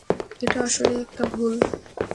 এটা আসলেই একটা ভুল।